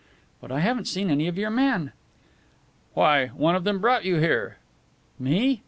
"But I haven't seen any of your men?" "Why, one of them brought you here." "Me?"